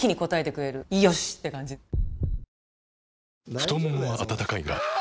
太ももは温かいがあ！